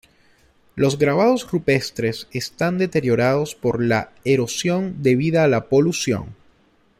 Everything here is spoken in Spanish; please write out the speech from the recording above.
Los grabados rupestres están deteriorados por la erosión debida a la polución.